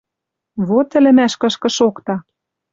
Вот ӹлӹмӓш кышкы шокта